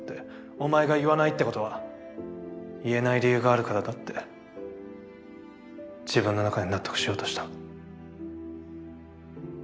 お前が言わないってことは言えない理由があるからだって自分の中で納得しようとした。